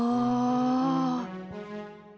あぁ。